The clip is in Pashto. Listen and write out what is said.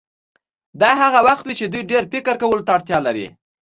دا هغه وخت وي چې دوی ډېر فکر کولو ته اړتیا لري.